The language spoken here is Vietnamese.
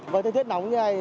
với thời tiết nóng như thế này